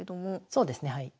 そうですねはい。